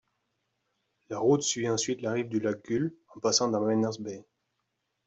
La route suit ensuite la rive du lac Gull en passant dans Miners Bay.